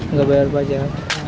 nggak bayar pajak